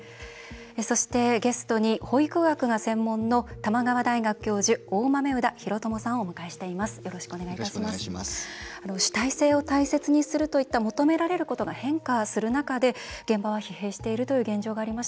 そして、ゲストに保育学が専門の玉川大学教授の大豆生田啓友さんをお迎えしています。